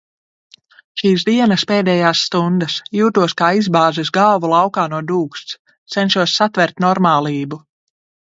Šīs dienas pēdējās stundas. Jūtos kā izbāzis galvu laukā no dūksts. Cenšos satvert normālību.